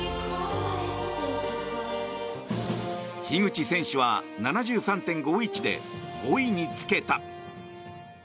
樋口選手は７３．５１で５位につけた。